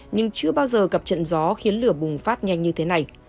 nhưng chưa bao giờ gặp trận gió khiến lửa bùng phát nhanh như thế này